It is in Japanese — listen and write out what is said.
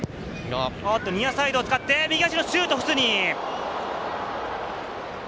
ニアサイドを使って右足のシュート、フスニ。